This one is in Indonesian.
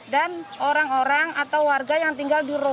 dan orang orang atau warga yang tinggal di